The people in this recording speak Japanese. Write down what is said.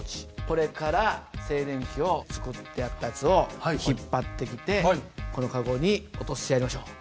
これから静電気を作ってやったやつを引っ張ってきてこのカゴに落としてやりましょう。